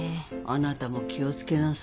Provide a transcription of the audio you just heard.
あなたも気を付けなさい。